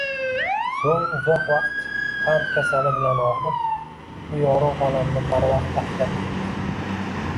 Soʻng uzoq vaqt qand kasali bilan ogʻrib, bu yorugʻ olamni barvaqt tashlab ketdi.